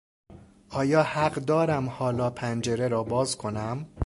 آیا حق دارم حالا پنجره را بازکنم؟